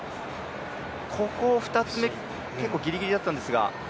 ここ２つ目、結構ぎりぎりだったんですが。